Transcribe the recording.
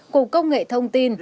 cục công nghệ thông tin